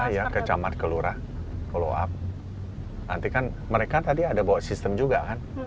ya ke camat kelurahan follow up nanti kan mereka tadi ada bawa sistem juga kan